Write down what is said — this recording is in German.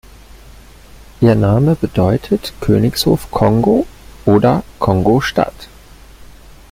Ihr Name bedeutet "Königshof Kongo" oder "Kongo-Stadt".